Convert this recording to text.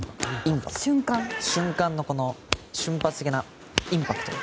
瞬間の、瞬発的なインパクト。